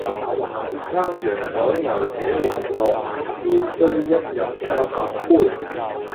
烹羊宰牛且為樂，會須一飲三百杯